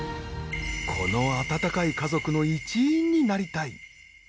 この温かい家族の一員になりたい。